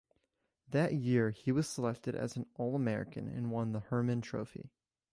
That year, he was selected as an All-American and won the Hermann Trophy.